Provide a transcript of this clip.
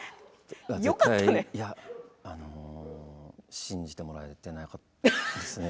信じてもらえてなかったですね。